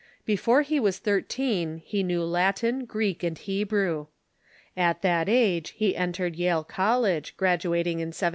Before he was thii teen he knew Latin, Greek, and Hebrew. At that age he entered Yale College, graduating in 1720.